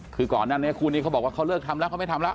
คือก่อนหน้านี้คู่นี้เขาบอกว่าเขาเลิกทำแล้วเขาไม่ทำแล้ว